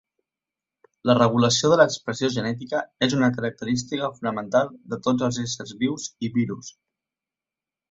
La regulació de l'expressió genètica és una característica fonamental de tots els éssers vius i virus.